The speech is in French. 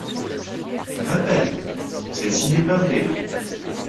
Rappel : celle-ci n’est pas vraie.